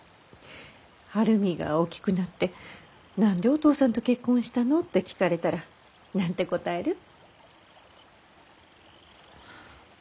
晴海が大きくなって「何でお父さんと結婚したの？」って聞かれたら何て答える？